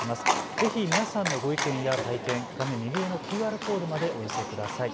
ぜひ皆さんのご意見や体験、画面右上のＱＲコードまでお寄せください。